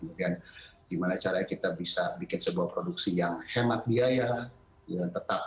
kemudian gimana caranya kita bisa bikin sebuah produksi yang hemat biaya tetap